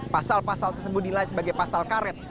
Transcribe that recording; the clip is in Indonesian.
pasal pasal tersebut dinilai sebagai pasal karet